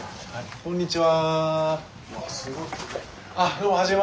こんにちは。